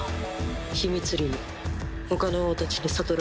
秘密裏に他の王たちに悟られないよう。